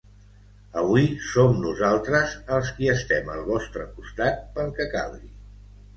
Avui som nosaltres els qui estem al vostre costat pel que calgui.